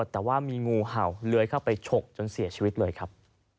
แต่ว่ามีงูเห่าเลื้อยเข้าไปฉกจนเสียชีวิตเลยครับ